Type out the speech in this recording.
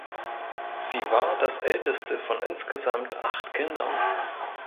Sie war das älteste von insgesamt acht Kindern.